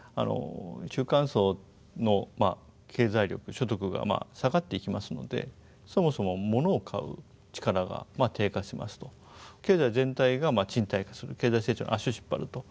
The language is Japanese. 中間層の経済力所得が下がっていきますのでそもそもものを買う力が低下しますと経済全体が沈滞化する経済成長の足を引っ張ると。